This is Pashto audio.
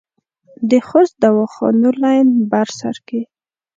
د خوست دواخانو لین بر سر کې